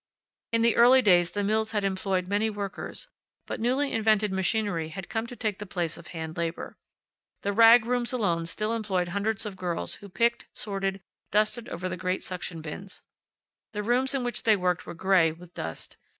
In the early days the mills had employed many workers, but newly invented machinery had come to take the place of hand labor. The rag rooms alone still employed hundreds of girls who picked, sorted, dusted over the great suction bins. The rooms in which they worked were gray with dust.